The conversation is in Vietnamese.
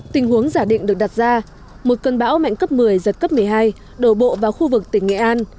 tình huống giả định được đặt ra một cơn bão mạnh cấp một mươi giật cấp một mươi hai đổ bộ vào khu vực tỉnh nghệ an